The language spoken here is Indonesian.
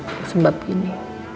hai sebab ini